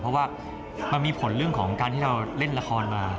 เพราะว่ามันมีผลเรื่องของการที่เราเล่นละครมา